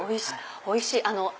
おいしい！